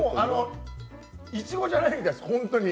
いちごじゃないみたい、ホントに。